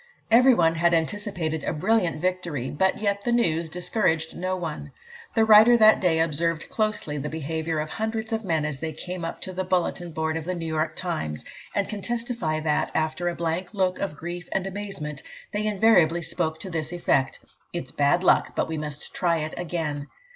Everyone had anticipated a brilliant victory; but yet the news discouraged no one. The writer that day observed closely the behaviour of hundreds of men as they came up to the bulletin board of the New York Times, and can testify that, after a blank look of grief and amazement, they invariably spoke to this effect, "It's bad luck, but we must try it again."